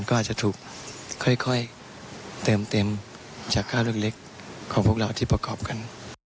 ก็อาจจะถูกค่อยเติมเต็มจากค่าเล็กของพวกเราที่ประกอบกัน